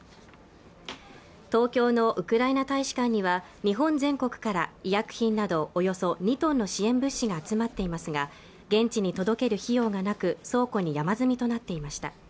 東京のウクライナ大使館には日本全国から医薬品などおよそ２トンの支援物資が集まっていますが現地に届ける費用がなく倉庫に山積みとなっていました